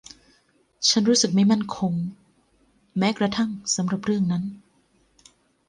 ฉันรู้สึกไม่มั่นคงแม้กระทั่งสำหรับเรื่องนั้น